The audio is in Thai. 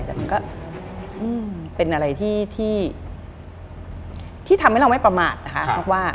แต่มันก็เป็นอะไรที่ทำให้เราไม่ประมาทนะคะว่า